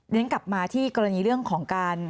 เรียนกลับมาที่กรณีเรื่องของการ